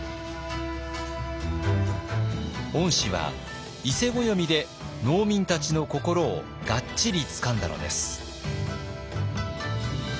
御師は伊勢暦で農民たちの心をがっちりつかんだのです。